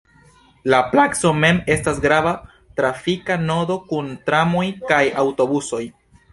La placo mem estas grava trafika nodo kun tramoj kaj aŭtobusoj.